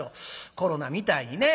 コロナみたいにね。